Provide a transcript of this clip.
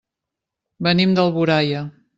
Venim d'Alboraia.